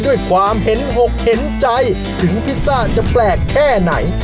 ด้วยความเห็นอกเห็นใจถึงพิซซ่าจะแปลกแค่ไหน